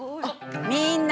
みーんな。